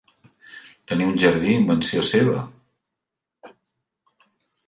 Tenir un jardí invenció seva!